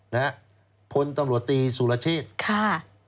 นะฮะพลตำรวจตีสุรเชษค่ะ